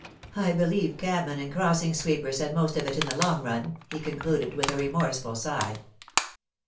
I believe cabmen and crossing sweepers had most of it in the long run," he concluded, with a remorseful sigh.